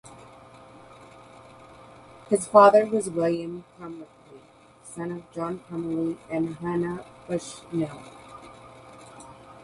His father was William Pumpelly, son of John Pumpelly and Hannah Bushnell.